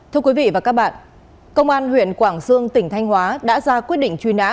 thưa quý vị và các bạn công an huyện quảng sương tỉnh thanh hóa đã ra quyết định truy nã